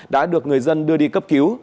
đã được người dân đưa đi cấp cứu